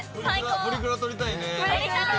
プリクラ撮りたいね。